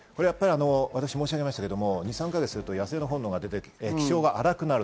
私、申し上げましたけど、２３か月すると野生の本能が出てきて気性が荒くなる。